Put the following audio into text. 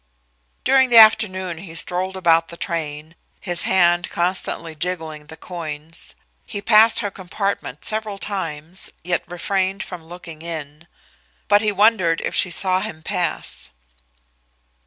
During the afternoon he strolled about the train, his hand constantly jingling the coins. He passed her compartment several times, yet refrained from looking in. But he wondered if she saw him pass.